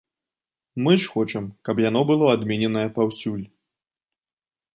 Мы ж хочам, каб яно было адмененае паўсюль.